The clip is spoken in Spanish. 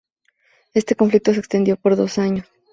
Este conflicto se extendió por dos años.